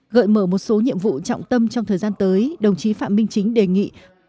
gợi mở một số nhiệm vụ trọng tâm trong thời gian tới đồng chí phạm minh chính đề nghị